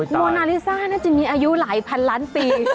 โมนาลิซ่าน่าจะมีอายุหลายพันล้านปี